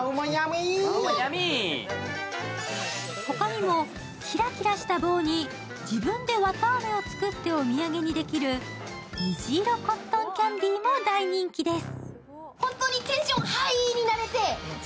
他にもキラキラした棒に自分で綿あめを作ってお土産にできる虹色コットンキャンディーも大人気です。